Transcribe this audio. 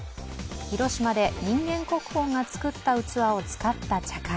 広島で人間国宝が作った器を使った茶会。